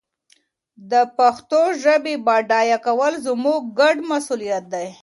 د پښتو ژبي بډایه کول زموږ ګډ مسؤلیت دی.